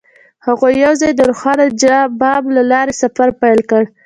هغوی یوځای د روښانه بام له لارې سفر پیل کړ.